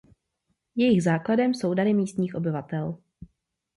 Jejich základem jsou dary místních obyvatel.